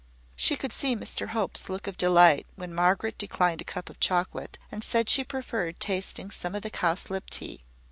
She could see Mr Hope's look of delight when Margaret declined a cup of chocolate, and said she preferred tasting some of the cowslip tea.